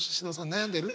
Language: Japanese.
悩んでる？